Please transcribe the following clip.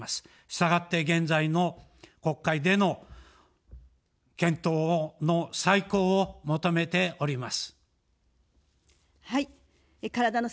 したがって現在の国会での検討の再考を求めております。